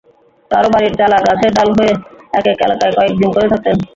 কারও বাড়ির চালা, গাছের ডাল হয়ে একেক এলাকায় কয়েক দিন করে থাকতেন।